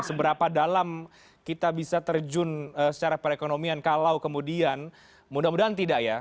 seberapa dalam kita bisa terjun secara perekonomian kalau kemudian mudah mudahan tidak ya